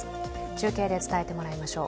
中継で伝えてもらいましょう。